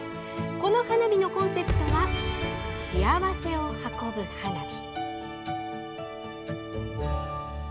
この花火のコンセプトは「幸せを運ぶ花火」。